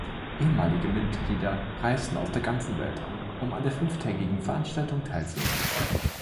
Ehemalige Mitglieder reisten aus der ganzen Welt an, um an der fünftägigen Veranstaltung teilzunehmen.